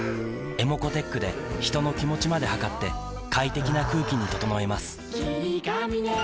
ｅｍｏｃｏーｔｅｃｈで人の気持ちまで測って快適な空気に整えます